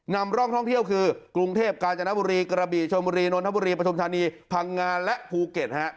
นำร่องท่องเที่ยวคือกรุงเทพกาญจนบุรีกระบีชมบุรีนนทบุรีปฐุมธานีพังงานและภูเก็ต